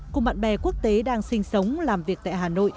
cùng bạn bè quốc tế đang sinh sống làm việc tại hà nội